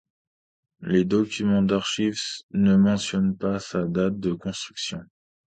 Les documents d'archives ne mentionnent pas sa date de construction.